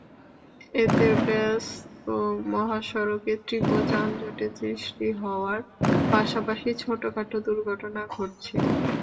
এতে ব্যস্ত মহাসড়কে তীব্র যানজন সৃষ্টি হওয়ার পাশাপাশি ছোটখাটো দুর্ঘটনা ঘটছে।